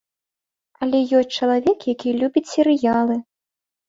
Але ёсць чалавек, які любіць серыялы.